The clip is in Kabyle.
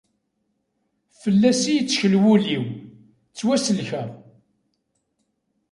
Fell-as i yettkel wul-iw, ttwasellkeɣ.